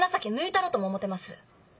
たろとも思うてます。